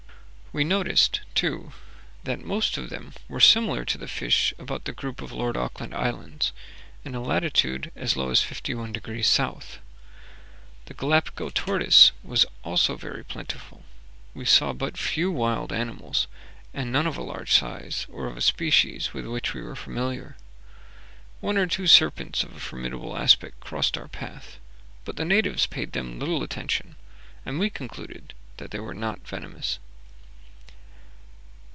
We noticed, too, that most of them were similar to the fish about the group of Lord Auckland Islands, in a latitude as low as fifty one degrees south. The Gallipago tortoise was also very plentiful. We saw but few wild animals, and none of a large size, or of a species with which we were familiar. One or two serpents of a formidable aspect crossed our path, but the natives paid them little attention, and we concluded that they were not venomous.